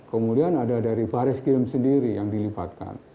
kemudian ada dari baris girems sendiri yang dilipatkan